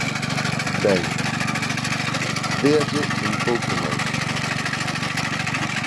Ben, déalle un pouco máis.